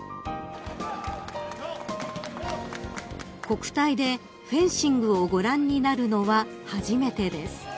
［国体でフェンシングをご覧になるのは初めてです］